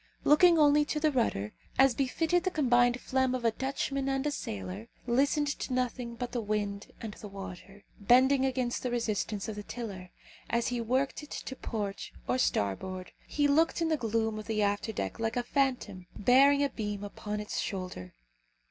Looking only to the rudder, as befitted the combined phlegm of a Dutchman and a sailor, listening to nothing but the wind and the water, bending against the resistance of the tiller, as he worked it to port or starboard, he looked in the gloom of the after deck like a phantom bearing a beam upon its shoulder.